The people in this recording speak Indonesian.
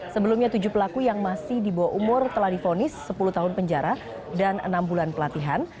sebelumnya tujuh pelaku yang masih di bawah umur telah difonis sepuluh tahun penjara dan enam bulan pelatihan